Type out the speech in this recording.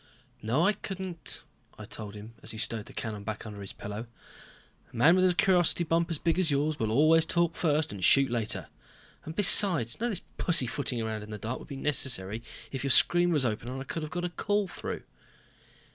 "No I couldn't," I told him, as he stowed the cannon back under his pillow. "A man with a curiosity bump as big as yours will always talk first and shoot later. And besides none of this pussyfooting around in the dark would be necessary if your screen was open and I could have got a call through."